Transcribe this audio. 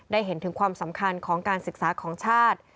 เห็นถึงความสำคัญของการศึกษาของชาติ